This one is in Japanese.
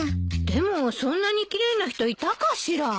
でもそんなに奇麗な人いたかしら？